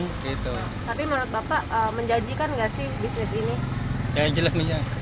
tapi menurut bapak menjanjikan nggak sih bisnis ini